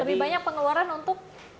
lebih banyak pengelolaan untuk